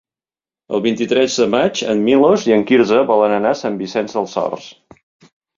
El vint-i-tres de maig en Milos i en Quirze volen anar a Sant Vicenç dels Horts.